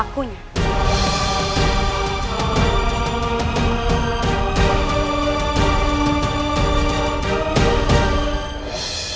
aku akan menuntutmu